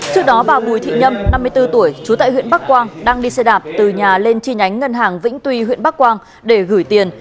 trước đó bà bùi thị nhâm năm mươi bốn tuổi trú tại huyện bắc quang đang đi xe đạp từ nhà lên chi nhánh ngân hàng vĩnh tuy huyện bắc quang để gửi tiền